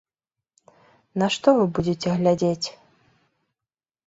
На што вы будзеце глядзець?